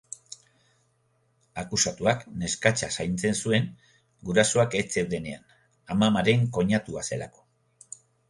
Akusatuak neskatxa zaintzen zuen gurasoak ez zeudenean, amamaren koinatua zelako.